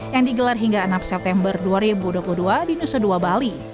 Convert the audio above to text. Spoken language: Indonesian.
yang digelar hingga enam september dua ribu dua puluh dua di nusa dua bali